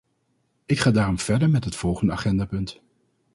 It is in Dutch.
Ik ga daarom verder met het volgende agendapunt.